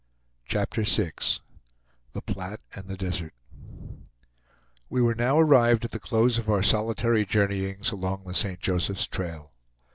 CHAPTER VI THE PLATTE AND THE DESERT We were now arrived at the close of our solitary journeyings along the St. Joseph's trail.